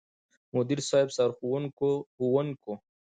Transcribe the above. مدير صيب، سرښوونکو ،ښوونکو،